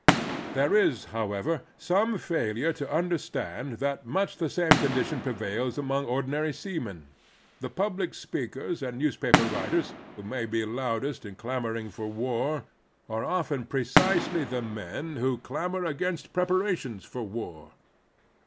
There is, however, some failure to understand that much the same condition prevails among ordinary seamen. The public speakers and news paper writers who may be loudest in clamoring for war are often precisely the men who clamor against preparations for war.